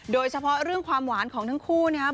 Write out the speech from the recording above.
โดยเฉพาะเรื่องความหวานของทั้งคู่นะครับ